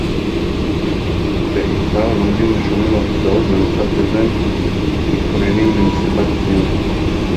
בְּעָקָר לוֹמְדִים וְשוֹמְעִים הַרְצָאוֹת, וְנוֹסָף לְזֶה מִתְכּוֹנְנִים לִמְסִיבַּת הַסִיוּם.